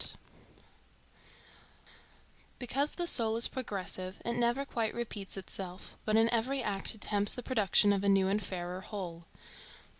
ART Because the soul is progressive, it never quite repeats itself, but in every act attempts the production of a new and fairer whole.